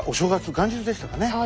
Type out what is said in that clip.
元日でしたね。